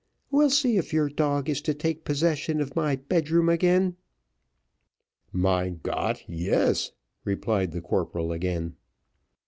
We'll see if your dog is to take possession of my bedroom again." "Mein Gott! yes," replied the corporal again.